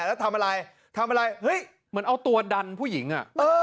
แล้วทำอะไรทำอะไรเฮ้ยเหมือนเอาตัวดันผู้หญิงอ่ะ